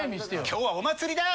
今日はお祭りだ！